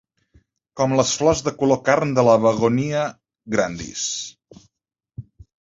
Com les flors de color carn de la 'Begonia grandis'.